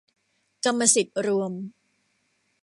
กรรมสิทธิ์รวม